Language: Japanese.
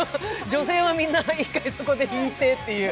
女性はみんな一回そこで引いてっていう。